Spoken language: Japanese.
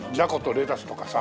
レタスとかさ。